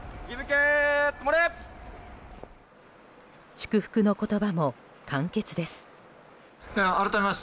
祝福の言葉も簡潔です。